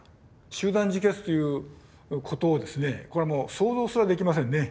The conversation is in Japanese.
集団自決ということをこれはもう想像すらできませんね。